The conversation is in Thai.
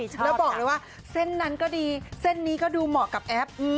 แล้วบอกเลยว่าเส้นนั้นก็ดีเส้นนี้ก็ดูเหมาะกับแอป